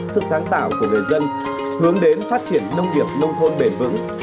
sức sáng tạo của người dân hướng đến phát triển nông nghiệp nông thôn bền vững